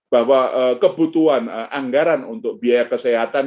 bahwa kebutuhan anggaran untuk biaya kesehatan